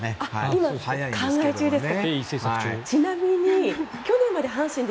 今考え中ですか。